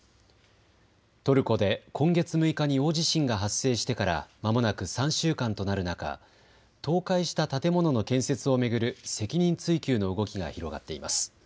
トルコで今月６日に大地震が発生してからまもなく３週間となる中、倒壊した建物の建設を巡る責任追及の動きが広がっています。